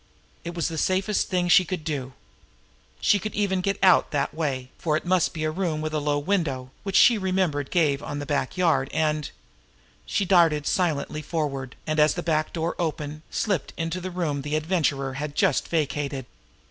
It was the safest thing she could do. She could even get out that way, for it must be the room with the low window, which she remembered gave on the back yard, and She darted silently forward, and, as the back door opened, slipped into the room the Adventurer had just vacated.